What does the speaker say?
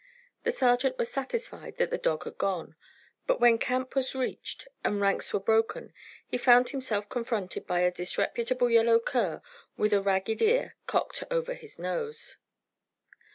The sergeant was satisfied that the dog had gone; but when camp was reached and ranks were broken he found himself confronted by a disreputable yellow cur with a ragged ear cocked over his nose.